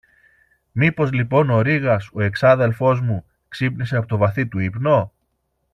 Μήπως λοιπόν ο Ρήγας, ο εξάδελφος μου, ξύπνησε από το βαθύ του ύπνο;